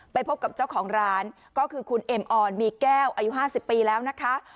ไปพบกับเจ้าของร้านก็คือคุณเอ็มออนมีแก้วอายุ๕๐ปีแล้วนะคะ